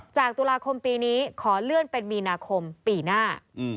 จากตุลาคมปีนี้ขอเลื่อนเป็นมีนาคมปีหน้า